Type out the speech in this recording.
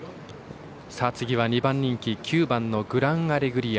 ２番人気９番グランアレグリア。